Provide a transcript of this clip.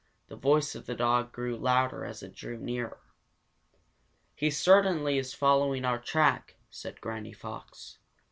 The voice of the dog grew louder as it drew nearer. "He certainly is following our track," said Granny Fox.